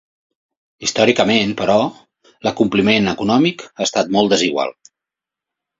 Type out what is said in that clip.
Històricament, però, l'acompliment econòmic ha estat molt desigual.